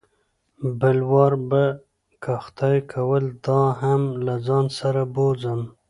بل وار به که خدای کول دا هم له ځان سره بوځم.